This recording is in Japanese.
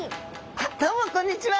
あっどうもこんにちは！